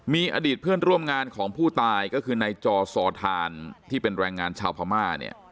มีอดีตเพื่อนร่วมงานของผู้ตายก็คือนายจอสอทานที่เป็นแรงงานชาวพม่าเนี่ย